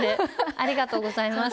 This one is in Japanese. ありがとうございます。